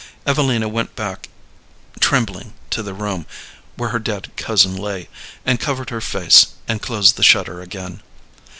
Evelina went back trembling to the room where her dead cousin lay, and covered her face, and closed the shutter again.